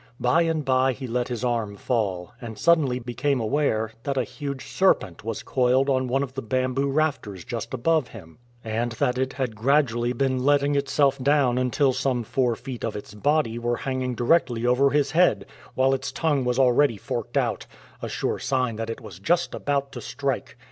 By and by he let his arm fall, and suddenly became aware that a huge serpent was coiled on one of the bamboo rafters just above him, and that it had gradually been letting itself down until some four feet of its body were hanging directly over his head, while its tongue was already forked out — a sure sign that it was just about to strike.